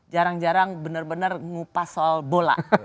jarang jarang benar benar ngupas soal bola